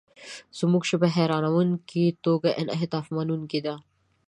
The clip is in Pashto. زموږ ژبه حیرانوونکې توګه انعطافمنونکې ده.